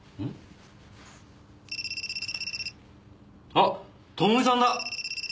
あっ朋美さんだ！